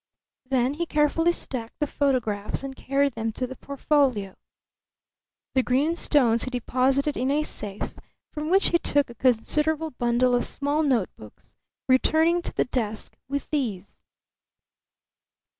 Then he carefully stacked the photographs and carried them to the portfolio. The green stones he deposited in a safe, from which he took a considerable bundle of small notebooks, returning to the desk with these.